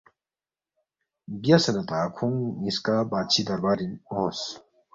بیاسے نہ تا کھونگ نِ٘یسکا بادشی دربارِنگ اونگس